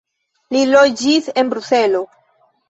Li loĝis en Bruselo.